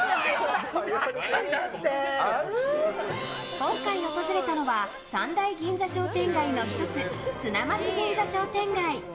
今回訪れたのは三大銀座商店街の１つ砂町銀座商店街。